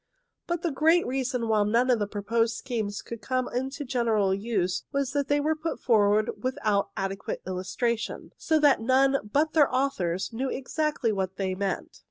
But the great reason why none of the proposed schemes could come into general use was that they were put forward without adequate illustration, so that none but their authors knew exactly what they meant.